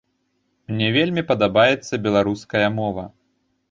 Мне вельмі падабаецца беларуская мова.